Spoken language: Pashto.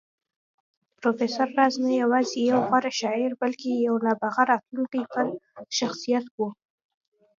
پروفېسر راز نه يوازې يو غوره شاعر بلکې يو نابغه راتلونکی پال شخصيت و